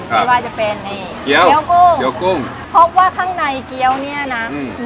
ไม่ว่าจะเป็นเกี้ยวกุ้งเกี้ยวกุ้งเพราะว่าข้างในเกี้ยวเนี้ยนะอืม